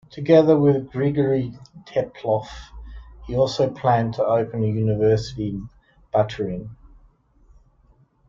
Together with Grigory Teplov he also planned to open a university in Baturin.